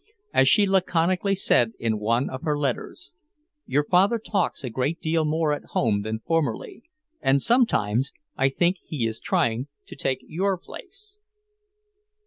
As she laconically said in one of her letters: "Your father talks a great deal more at home than formerly, and sometimes I think he is trying to take your place."